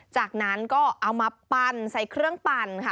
จากนั้นก็เอามาปั่นใส่เครื่องปั่นค่ะ